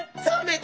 そう。